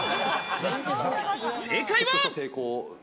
正解は。